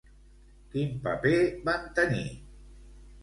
Quin paper van tenir?